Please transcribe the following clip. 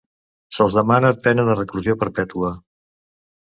Se'ls demana pena de reclusió perpètua.